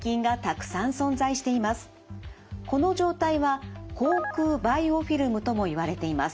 この状態は口腔バイオフィルムともいわれています。